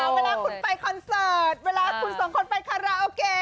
เวลาคุณไปคอนเสิร์ตเวลาคุณสองคนไปคาราโอเกะ